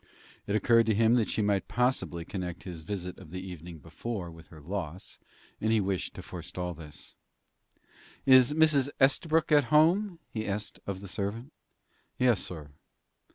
It occurred to him that she might possibly connect his visit of the evening before with her loss, and he wished to forestall this. "Is Mrs. Estabrook at home?" he asked of the servant. "Yes, sir."